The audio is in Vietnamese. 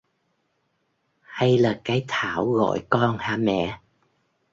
Hay là cái Thảo gọi con hả mẹ